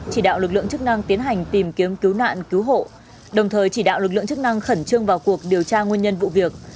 chỉ đạo lực lượng chức năng tiến hành tìm kiếm cứu nạn cứu hộ đồng thời chỉ đạo lực lượng chức năng khẩn trương vào cuộc điều tra nguyên nhân vụ việc